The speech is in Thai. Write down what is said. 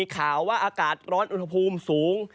ค่าวว่าอากาศร้อนอุณโนมนตร์ภูมิสูง